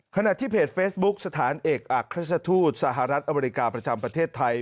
ขณะที่เพจเฟซบุ๊กสถานเอกอักราชทูตสหรัฐอเมริกาประจำประเทศไทย